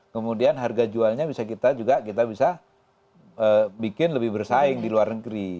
kemudian harga jualnya bisa kita juga kita bisa bikin lebih bersaing di luar negeri